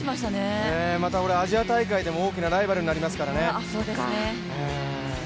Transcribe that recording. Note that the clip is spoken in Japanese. またアジア大会でも大きなライバルになりますからね。